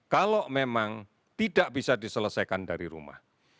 kalau memang tidak bisa diselesaikan dari rumah